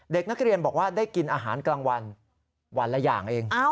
เด็กนักเรียนบอกว่าได้กินอาหารกลางวันวันละอย่างเอง